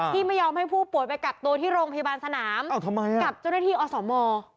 ที่ไม่ยอมให้ผู้ป่วยไปกับตัวที่โรงพยาบาลสนาม